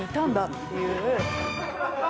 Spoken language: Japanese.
っていう。